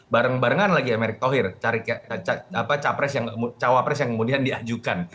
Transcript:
bareng barengan lagi erick thohir cari cawapres yang kemudian diajukan